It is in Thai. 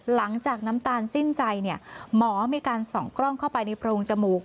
หลังจากน้ำตาลสิ้นใจเนี่ยหมอมีการส่องกล้องเข้าไปในโพรงจมูก